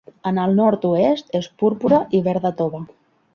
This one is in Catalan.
En el nord-oest és púrpura i verda tova.